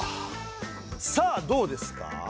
さあどうですか？